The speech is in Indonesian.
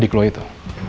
adik lo itu